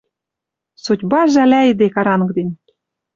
Судьба жӓлӓйӹде карангден.